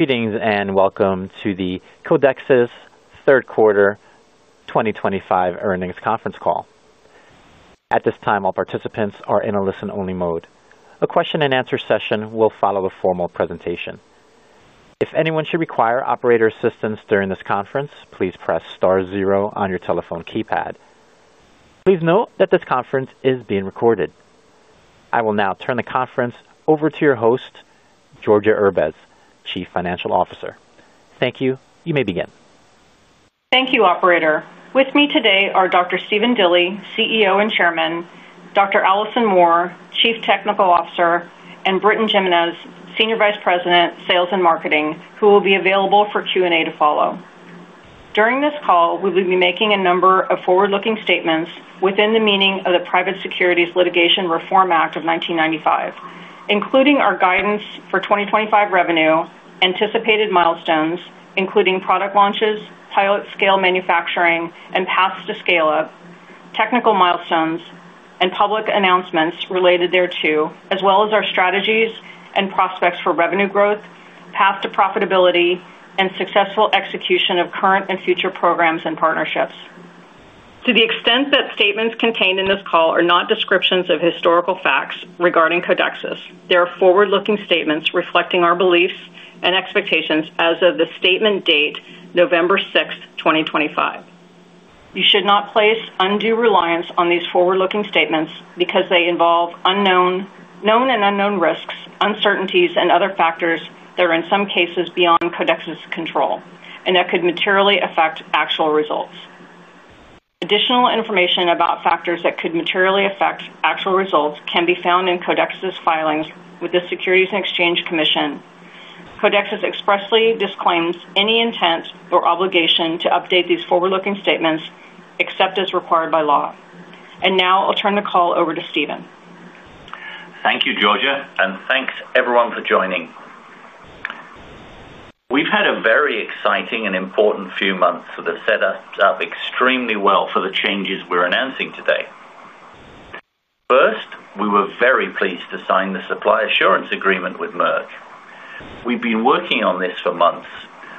Greetings and welcome to the Codexis third quarter 2025 earnings conference call. At this time, all participants are in a listen-only mode. A question-and-answer session will follow a formal presentation. If anyone should require operator assistance during this conference, please press star zero on your telephone keypad. Please note that this conference is being recorded. I will now turn the conference over to your host, Georgia Erbez, Chief Financial Officer. Thank you. You may begin. Thank you, Operator. With me today are Dr. Stephen Dilly, CEO and Chairman; Dr. Alison Moore, Chief Technical Officer; and Britton Jimenez, Senior Vice President, Sales and Marketing, who will be available for Q&A to follow. During this call, we will be making a number of forward-looking statements within the meaning of the Private Securities Litigation Reform Act of 1995, including our guidance for 2025 revenue, anticipated milestones including product launches, pilot-scale manufacturing, and paths to scale-up, technical milestones, and public announcements related thereto, as well as our strategies and prospects for revenue growth, path to profitability, and successful execution of current and future programs and partnerships. To the extent that statements contained in this call are not descriptions of historical facts regarding Codexis, they are forward-looking statements reflecting our beliefs and expectations as of the statement date, November 6, 2025. You should not place undue reliance on these forward-looking statements because they involve unknown and unknown risks, uncertainties, and other factors that are in some cases beyond Codexis's control, and that could materially affect actual results. Additional information about factors that could materially affect actual results can be found in Codexis's filings with the Securities and Exchange Commission. Codexis expressly disclaims any intent or obligation to update these forward-looking statements except as required by law. Now I'll turn the call over to Stephen. Thank you, Georgia, and thanks everyone for joining. We've had a very exciting and important few months that have set us up extremely well for the changes we're announcing today. First, we were very pleased to sign the supply assurance agreement with Merck. We've been working on this for months,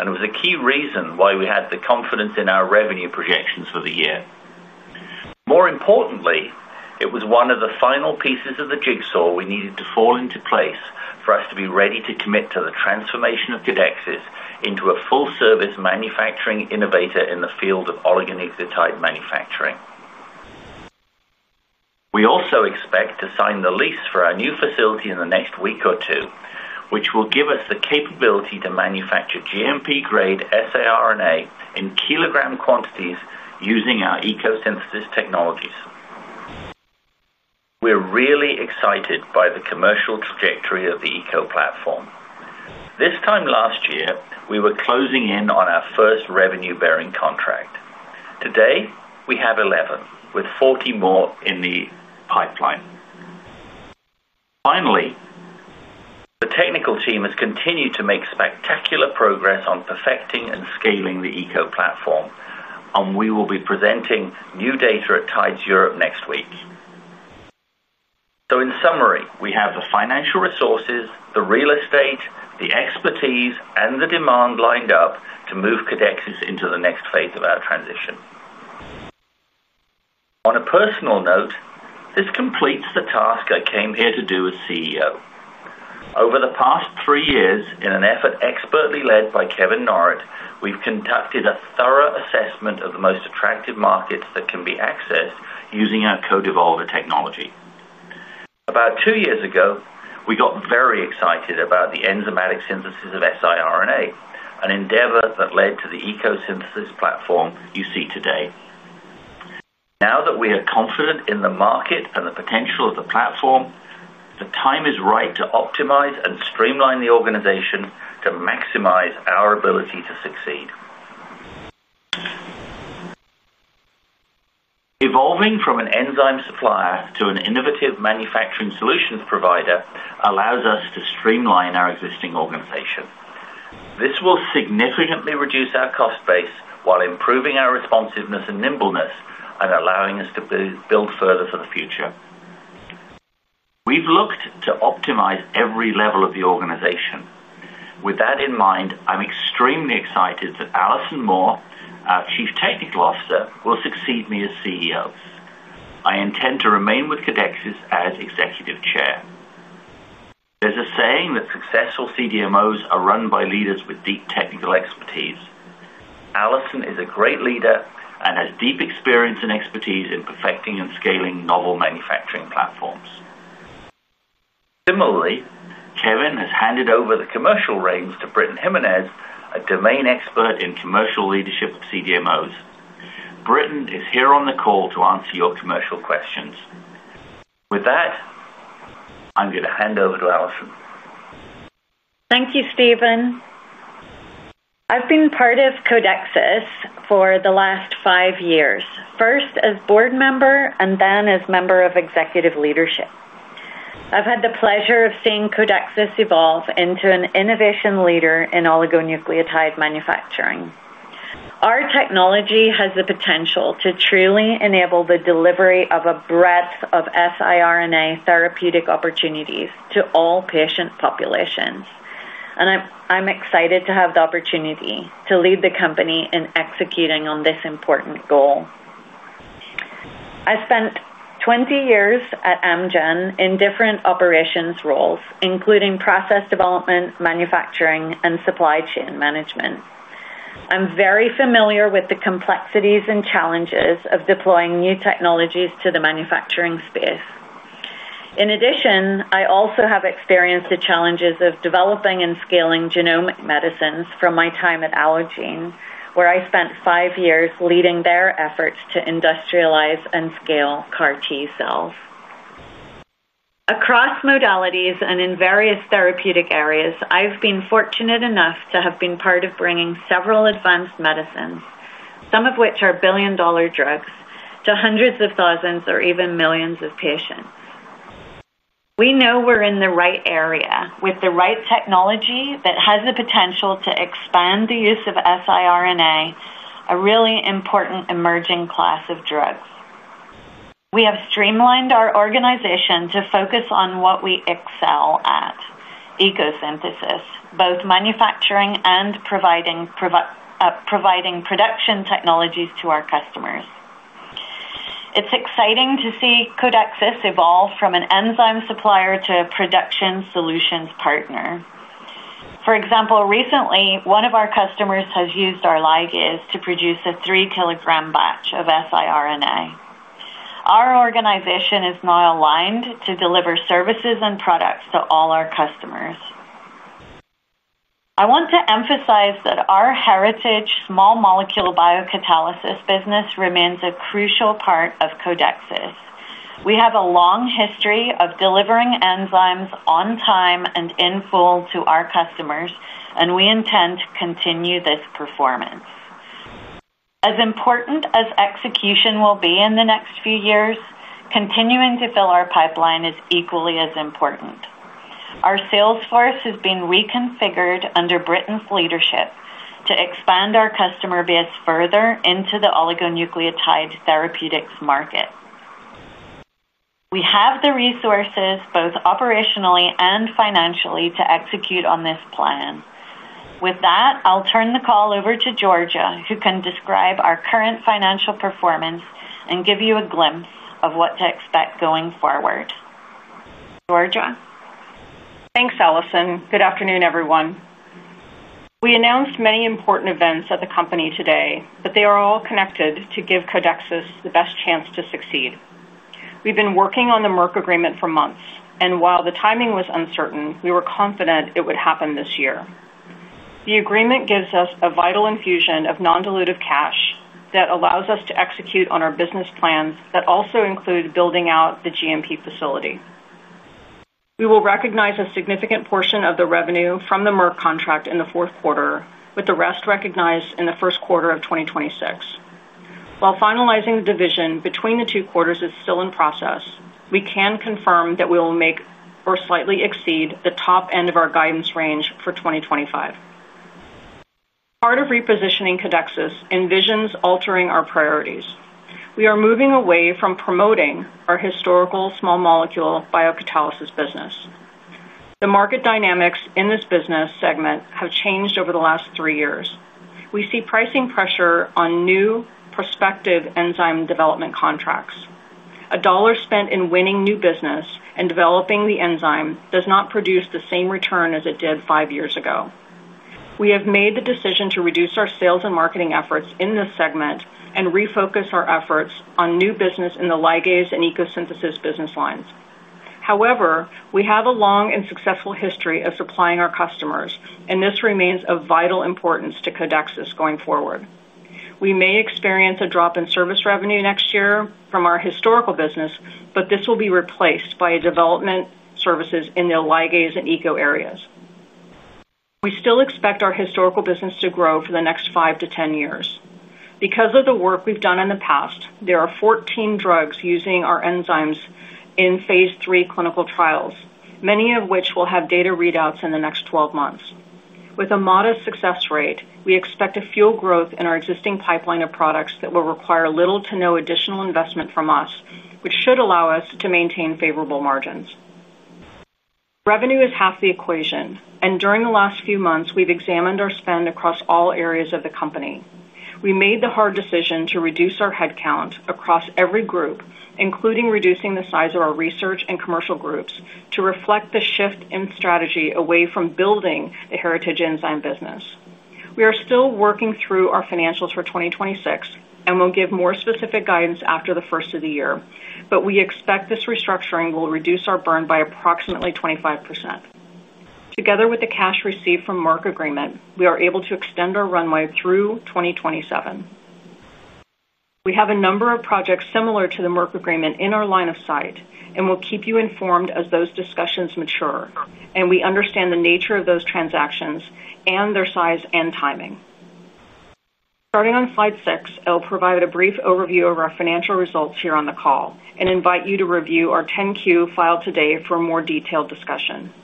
and it was a key reason why we had the confidence in our revenue projections for the year. More importantly, it was one of the final pieces of the jigsaw we needed to fall into place for us to be ready to commit to the transformation of Codexis into a full-service manufacturing innovator in the field of oligonucleotide manufacturing. We also expect to sign the lease for our new facility in the next week or two, which will give us the capability to manufacture GMP-grade siRNA in kilogram quantities using our Eco-synthesis technologies. We're really excited by the commercial trajectory of the Eco platform. This time last year, we were closing in on our first revenue-bearing contract. Today, we have 11, with 40 more in the pipeline. Finally, the technical team has continued to make spectacular progress on perfecting and scaling the Eco platform. We will be presenting new data at Tides Europe next week. In summary, we have the financial resources, the real estate, the expertise, and the demand lined up to move Codexis into the next phase of our transition. On a personal note, this completes the task I came here to do as CEO. Over the past three years, in an effort expertly led by Kevin Norrett, we've conducted a thorough assessment of the most attractive markets that can be accessed using our CodeEvolver technology. About two years ago, we got very excited about the enzymatic synthesis of siRNA, an endeavor that led to the Eco-synthesis platform you see today. Now that we are confident in the market and the potential of the platform, the time is right to optimize and streamline the organization to maximize our ability to succeed. Evolving from an enzyme supplier to an innovative manufacturing solutions provider allows us to streamline our existing organization. This will significantly reduce our cost base while improving our responsiveness and nimbleness and allowing us to build further for the future. We've looked to optimize every level of the organization. With that in mind, I'm extremely excited that Alison Moore, our Chief Technical Officer, will succeed me as CEO. I intend to remain with Codexis as Executive Chair. There's a saying that successful CDMOs are run by leaders with deep technical expertise. Alison is a great leader and has deep experience and expertise in perfecting and scaling novel manufacturing platforms. Similarly, Kevin has handed over the commercial reins to Britton Jimenez, a domain expert in commercial leadership of CDMOs. Britton is here on the call to answer your commercial questions. With that, I'm going to hand over to Alison. Thank you, Stephen. I've been part of Codexis for the last five years, first as board member and then as member of executive leadership. I've had the pleasure of seeing Codexis evolve into an innovation leader in oligonucleotide manufacturing. Our technology has the potential to truly enable the delivery of a breadth of siRNA therapeutic opportunities to all patient populations. I'm excited to have the opportunity to lead the company in executing on this important goal. I spent 20 years at Amgen in different operations roles, including process development, manufacturing, and supply chain management. I'm very familiar with the complexities and challenges of deploying new technologies to the manufacturing space. In addition, I also have experienced the challenges of developing and scaling genomic medicines from my time at Allogene, where I spent five years leading their efforts to industrialize and scale CAR T cells. Across modalities and in various therapeutic areas, I've been fortunate enough to have been part of bringing several advanced medicines, some of which are billion-dollar drugs, to hundreds of thousands or even millions of patients. We know we're in the right area with the right technology that has the potential to expand the use of siRNA, a really important emerging class of drugs. We have streamlined our organization to focus on what we excel at: Eco-synthesis, both manufacturing and providing production technologies to our customers. It's exciting to see Codexis evolve from an enzyme supplier to a production solutions partner. For example, recently, one of our customers has used our ligase to produce a 3 kilogram batch of siRNA. Our organization is now aligned to deliver services and products to all our customers. I want to emphasize that our heritage small molecule biocatalysis business remains a crucial part of Codexis. We have a long history of delivering enzymes on time and in full to our customers, and we intend to continue this performance. As important as execution will be in the next few years, continuing to fill our pipeline is equally as important. Our sales force has been reconfigured under Britton's leadership to expand our customer base further into the oligonucleotide therapeutics market. We have the resources both operationally and financially to execute on this plan. With that, I'll turn the call over to Georgia, who can describe our current financial performance and give you a glimpse of what to expect going forward. Georgia. Thanks, Alison. Good afternoon, everyone. We announced many important events at the company today, but they are all connected to give Codexis the best chance to succeed. We've been working on the Merck agreement for months, and while the timing was uncertain, we were confident it would happen this year. The agreement gives us a vital infusion of non-dilutive cash that allows us to execute on our business plans that also include building out the GMP facility. We will recognize a significant portion of the revenue from the Merck contract in the fourth quarter, with the rest recognized in the first quarter of 2026. While finalizing the division between the two quarters is still in process, we can confirm that we will make or slightly exceed the top end of our guidance range for 2025. Part of repositioning Codexis envisions altering our priorities. We are moving away from promoting our historical small molecule biocatalysis business. The market dynamics in this business segment have changed over the last three years. We see pricing pressure on new prospective enzyme development contracts. A dollar spent in winning new business and developing the enzyme does not produce the same return as it did five years ago. We have made the decision to reduce our sales and marketing efforts in this segment and refocus our efforts on new business in the ligase and Eco-synthesis business lines. However, we have a long and successful history of supplying our customers, and this remains of vital importance to Codexis going forward. We may experience a drop in service revenue next year from our historical business, but this will be replaced by development services in the ligase and Eco areas. We still expect our historical business to grow for the next 5-10 years. Because of the work we've done in the past, there are 14 drugs using our enzymes in phase three clinical trials, many of which will have data readouts in the next 12 months. With a modest success rate, we expect a fuel growth in our existing pipeline of products that will require little to no additional investment from us, which should allow us to maintain favorable margins. Revenue is half the equation, and during the last few months, we've examined our spend across all areas of the company. We made the hard decision to reduce our headcount across every group, including reducing the size of our research and commercial groups to reflect the shift in strategy away from building the heritage enzyme business. We are still working through our financials for 2026 and will give more specific guidance after the first of the year, but we expect this restructuring will reduce our burn by approximately 25%. Together with the cash received from the Merck agreement, we are able to extend our runway through 2027. We have a number of projects similar to the Merck agreement in our line of sight, and we'll keep you informed as those discussions mature, and we understand the nature of those transactions and their size and timing. Starting on slide six, I'll provide a brief overview of our financial results here on the call and invite you to review our 10-Q filed today for a more detailed discussion.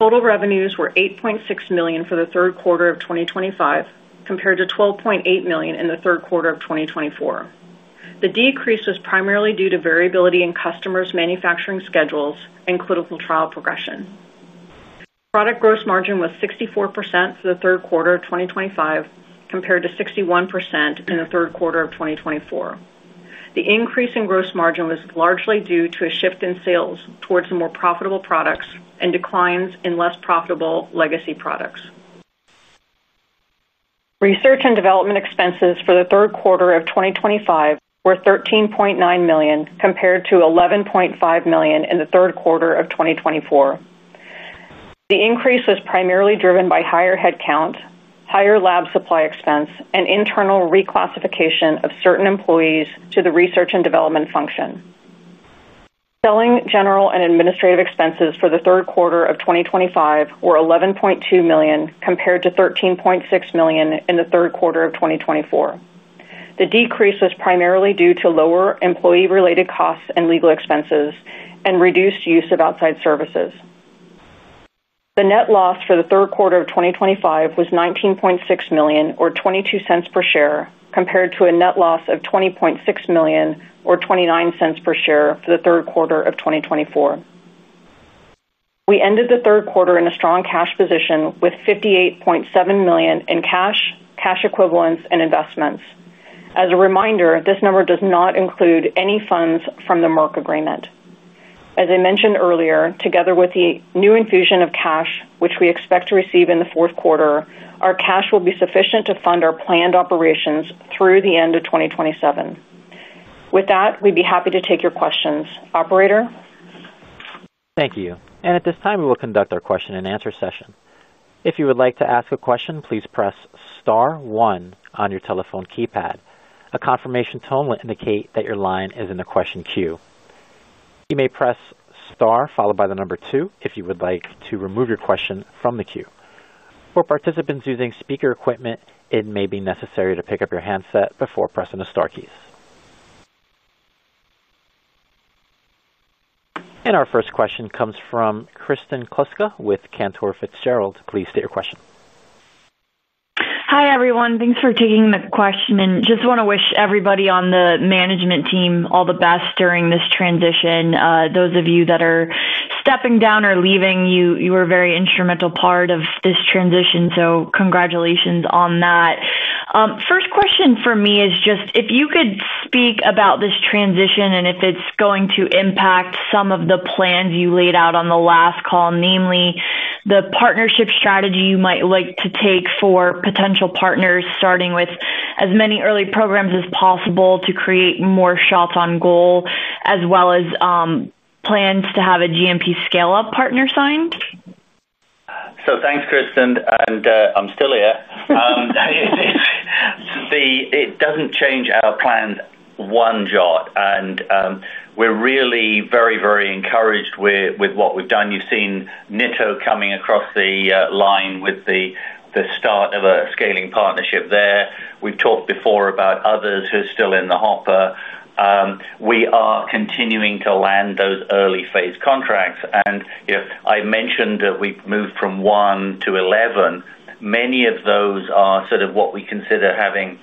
Total revenues were $8.6 million for the third quarter of 2025, compared to $12.8 million in the third quarter of 2024. The decrease was primarily due to variability in customers' manufacturing schedules and clinical trial progression. Product gross margin was 64% for the third quarter of 2025, compared to 61% in the third quarter of 2024. The increase in gross margin was largely due to a shift in sales towards more profitable products and declines in less profitable legacy products. Research and development expenses for the third quarter of 2025 were $13.9 million, compared to $11.5 million in the third quarter of 2024. The increase was primarily driven by higher headcount, higher lab supply expense, and internal reclassification of certain employees to the research and development function. Selling, general, and administrative expenses for the third quarter of 2025 were $11.2 million, compared to $13.6 million in the third quarter of 2024. The decrease was primarily due to lower employee-related costs and legal expenses and reduced use of outside services. The net loss for the third quarter of 2025 was $19.6 million, or $0.22 per share, compared to a net loss of $20.6 million, or $0.29 per share, for the third quarter of 2024. We ended the third quarter in a strong cash position with $58.7 million in cash, cash equivalents, and investments. As a reminder, this number does not include any funds from the Merck agreement. As I mentioned earlier, together with the new infusion of cash, which we expect to receive in the fourth quarter, our cash will be sufficient to fund our planned operations through the end of 2027. With that, we'd be happy to take your questions. Operator? Thank you. At this time, we will conduct our question-and-answer session. If you would like to ask a question, please press star one on your telephone keypad. A confirmation tone will indicate that your line is in the question queue. You may press star followed by the number two if you would like to remove your question from the queue. For participants using speaker equipment, it may be necessary to pick up your handset before pressing the star keys. Our first question comes from Kristen Kluska with Cantor Fitzgerald. Please state your question. Hi, everyone. Thanks for taking the question. I just want to wish everybody on the management team all the best during this transition. Those of you that are stepping down or leaving, you were a very instrumental part of this transition, so congratulations on that. First question for me is just if you could speak about this transition and if it's going to impact some of the plans you laid out on the last call, namely the partnership strategy you might like to take for potential partners, starting with as many early programs as possible to create more shots on goal, as well as plans to have a GMP scale-up partner signed? Thanks, Kristen. I'm still here. It does not change our plans one shot. We're really very, very encouraged with what we've done. You've seen Nitto Avecia coming across the line with the start of a scaling partnership there. We've talked before about others who are still in the hopper. We are continuing to land those early-phase contracts. I mentioned that we've moved from one to eleven. Many of those are sort of what we consider having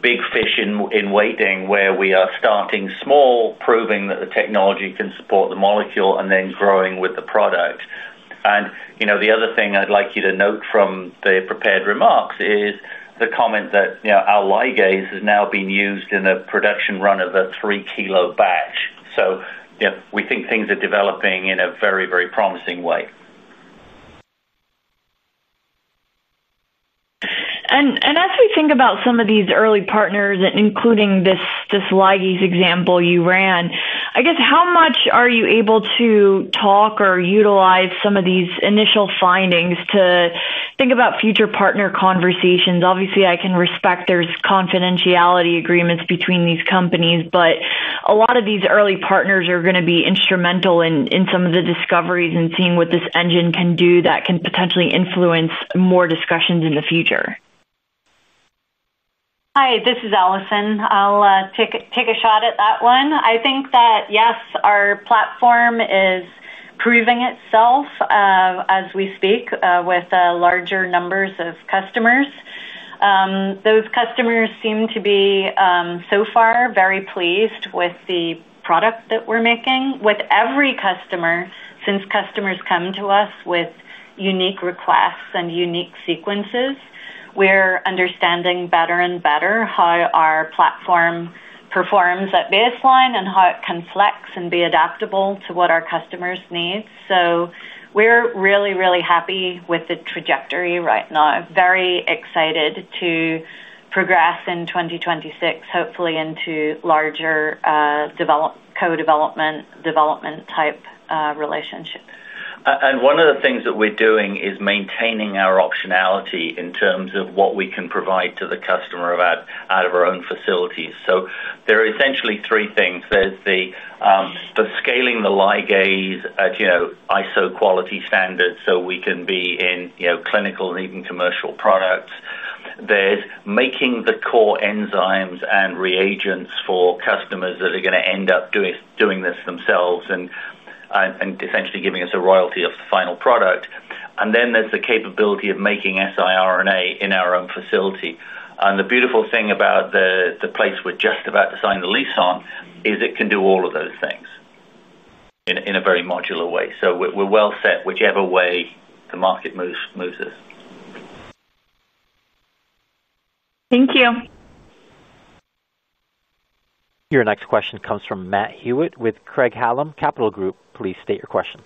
big fish in waiting, where we are starting small, proving that the technology can support the molecule, and then growing with the product. The other thing I'd like you to note from the prepared remarks is the comment that our ligase has now been used in a production run of a 3 kg batch. We think things are developing in a very, very promising way. As we think about some of these early partners, including this ligase example you ran, I guess, how much are you able to talk or utilize some of these initial findings to think about future partner conversations? Obviously, I can respect there are confidentiality agreements between these companies, but a lot of these early partners are going to be instrumental in some of the discoveries and seeing what this engine can do that can potentially influence more discussions in the future. Hi, this is Alison. I'll take a shot at that one. I think that, yes, our platform is proving itself as we speak with larger numbers of customers. Those customers seem to be, so far, very pleased with the product that we're making. With every customer, since customers come to us with unique requests and unique sequences, we're understanding better and better how our platform performs at baseline and how it can flex and be adaptable to what our customers need. So we're really, really happy with the trajectory right now. Very excited to progress in 2026, hopefully into larger co-development type relationships. One of the things that we're doing is maintaining our optionality in terms of what we can provide to the customer out of our own facilities. There are essentially three things. There is scaling the ligase at ISO quality standards so we can be in clinical and even commercial products. There is making the core enzymes and reagents for customers that are going to end up doing this themselves and essentially giving us a royalty of the final product. Then there is the capability of making siRNA in our own facility. The beautiful thing about the place we're just about to sign the lease on is it can do all of those things in a very modular way. We are well set whichever way the market moves us. Thank you. Your next question comes from Matt Hewitt with Craig-Hallum Capital Group. Please state your question.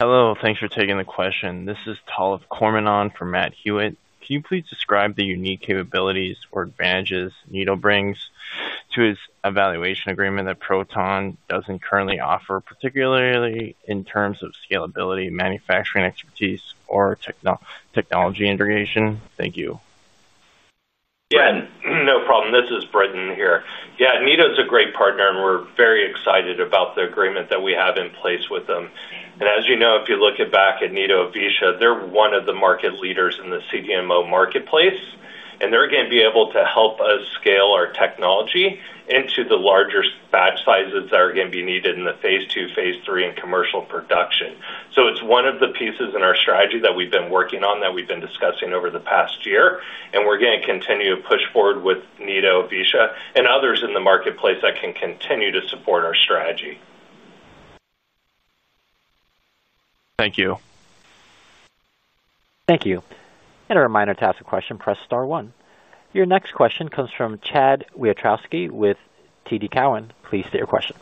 Hello. Thanks for taking the question. This is Tollef Kohrman from Matt Hewitt. Can you please describe the unique capabilities or advantages Nitto Avecia brings to its evaluation agreement that Proton doesn't currently offer, particularly in terms of scalability, manufacturing expertise, or technology integration? Thank you. Yeah. No problem. This is Brendan here. Yeah, Nitto Avecia is a great partner, and we're very excited about the agreement that we have in place with them. And as you know, if you look back at Nitto Avecia, they're one of the market leaders in the CDMO marketplace, and they're going to be able to help us scale our technology into the larger batch sizes that are going to be needed in the phase two, phase three, and commercial production. It is one of the pieces in our strategy that we've been working on, that we've been discussing over the past year, and we're going to continue to push forward with Nitto Avecia and others in the marketplace that can continue to support our strategy. Thank you. Thank you. A reminder to ask a question, press star one. Your next question comes from Chad Wiatrowski with TD Cowen. Please state your question.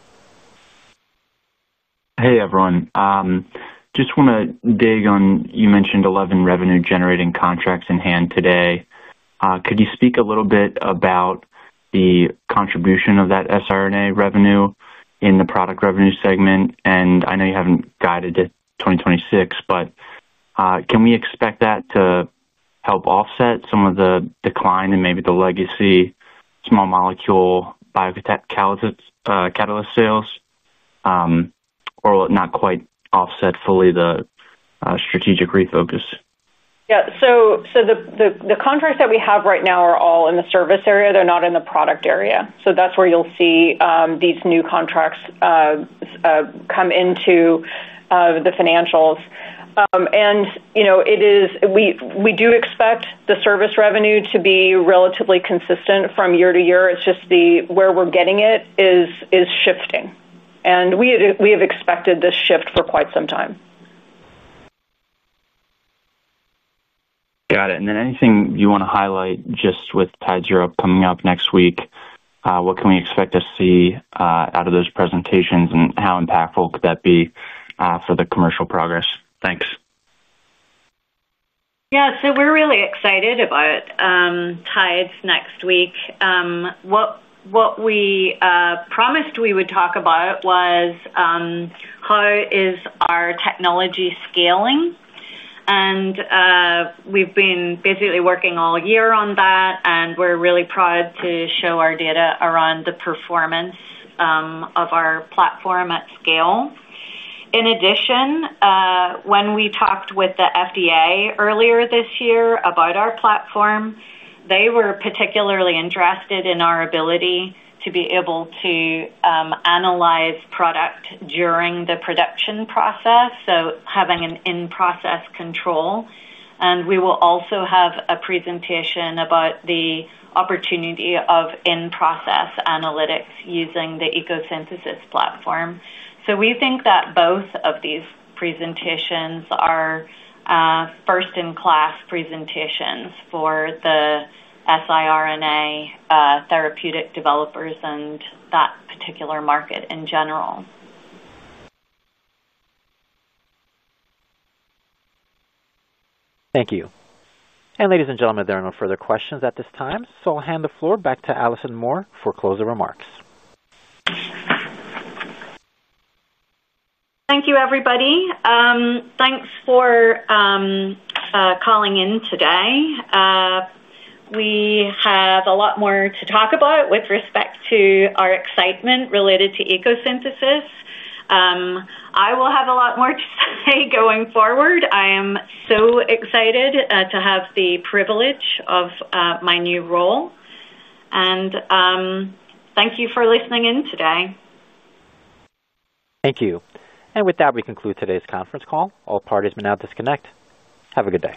Hey, everyone. Just want to dig on you mentioned 11 revenue-generating contracts in hand today. Could you speak a little bit about the contribution of that siRNA revenue in the product revenue segment? I know you haven't guided it 2026, but can we expect that to help offset some of the decline and maybe the legacy small molecule biocatalyst sales, or not quite offset fully the strategic refocus? Yeah. The contracts that we have right now are all in the service area. They're not in the product area. That's where you'll see these new contracts come into the financials. We do expect the service revenue to be relatively consistent from year to year. It's just where we're getting it is shifting. We have expected this shift for quite some time. Got it. Anything you want to highlight just with Tides Europe coming up next week? What can we expect to see out of those presentations, and how impactful could that be for the commercial progress? Thanks. Yeah. So we're really excited about Tides next week. What we promised we would talk about was how is our technology scaling? We've been basically working all year on that, and we're really proud to show our data around the performance of our platform at scale. In addition, when we talked with the FDA earlier this year about our platform, they were particularly interested in our ability to be able to analyze product during the production process, so having an in-process control. We will also have a presentation about the opportunity of in-process analytics using the ECO Synthesis platform. We think that both of these presentations are first-in-class presentations for the siRNA therapeutic developers and that particular market in general. Thank you. Ladies and gentlemen, there are no further questions at this time. I'll hand the floor back to Alison Moore for closing remarks. Thank you, everybody. Thanks for calling in today. We have a lot more to talk about with respect to our excitement related to Eco-synthesis. I will have a lot more to say going forward. I am so excited to have the privilege of my new role. Thank you for listening in today. Thank you. With that, we conclude today's conference call. All parties may now disconnect. Have a good day.